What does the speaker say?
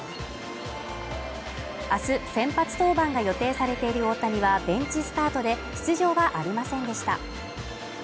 明日先発登板が予定されている大谷はベンチスタートで出場はありませんでした。